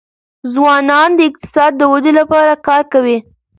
ځوانان د اقتصاد د ودي لپاره کار کوي.